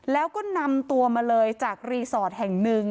แล้วก็นำตัวมาเลยจากรีสอร์ทแห่งหนึ่ง